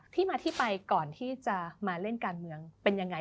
ที่มาที่ไปก่อนที่จะมาเล่นการเมืองเป็นยังไง